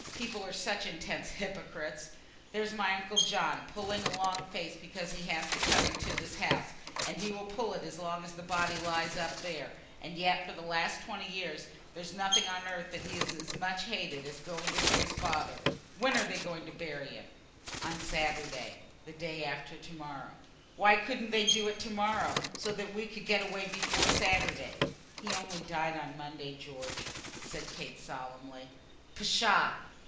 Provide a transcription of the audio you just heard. People are such intense hypocrites. There's my uncle John, pulling a long face because he has come into this house, and he will pull it as long as the body lies up there; and yet for the last twenty years there's nothing on earth he has so much hated as going to see his father. When are they going to bury him?" "On Saturday, the day after to morrow." "Why couldn't they do it to morrow, so that we could get away before Sunday?" "He only died on Monday, George," said Kate, solemnly. "Psha!